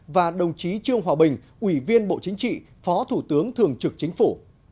và đồng chí trương hòa bình ủy viên bộ chính trị phó thủ tướng thường trực chính phủ